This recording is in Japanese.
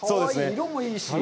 色もいいし。